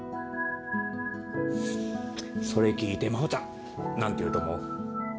それ聞いて真帆ちゃん何て言うと思う？